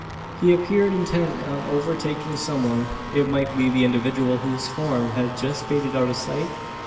He appeared intent on overtaking some one. It might be the individual whose form had just faded out of sight?